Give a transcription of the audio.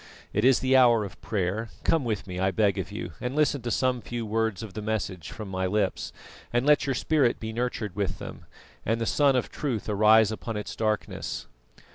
It is the hour of prayer; come with me, I beg of you, and listen to some few words of the message of my lips, and let your spirit be nurtured with them, and the Sun of Truth arise upon its darkness."